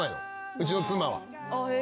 うちの妻は全然。